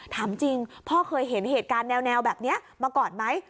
ถามจริงพ่อเคยเห็นเหตุการณ์แนวแบบนี้มาก่อนไหม